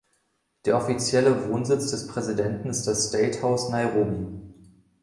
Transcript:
Der offizielle Wohnsitz des Präsidenten ist das State House, Nairobi.